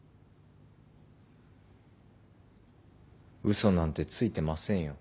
嘘なんてついてませんよ。